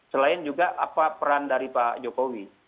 selain juga apa peran dari pak jokowi